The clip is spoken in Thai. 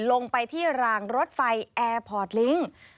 ลงไปที่รางรถไฟแอร์พอร์ตลิงค์